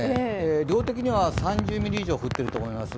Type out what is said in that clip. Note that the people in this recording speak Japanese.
量的には３０ミリ以上降っていると思います。